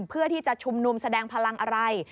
เพื่อที่จะชุมนุมแสดงพลังอะไร